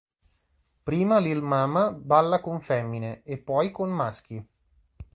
Prima Lil Mama balla con femmine e poi con maschi.